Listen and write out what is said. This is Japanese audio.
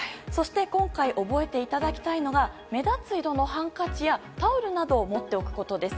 今回覚えておきたいのが目立つ色のハンカチやタオルなどを持っておくことです。